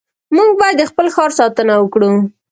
موږ باید د خپل ښار ساتنه وکړو.